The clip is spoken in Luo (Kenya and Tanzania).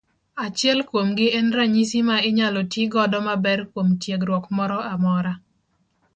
Achiel kuomgi en ranyisi ma inyalo ti godo maber kuom tiegruok moro amora.